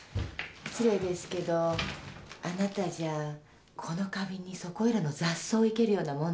失礼ですけどあなたじゃこの花瓶にそこいらの雑草を生けるようなもんです。